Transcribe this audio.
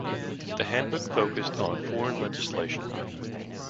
The Handbook focussed on foreign legislation.